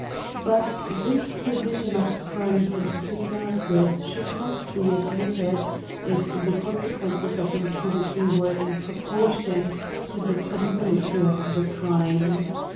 But this division of crimes into two classes \ CRIMES AND PUNISHMENTS. H5 should not be admitted, if the consequences of impunity were in proportion to the probability of the crime.